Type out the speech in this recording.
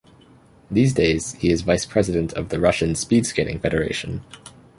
These days, he is vice-president of the Russian Speed Skating Federation.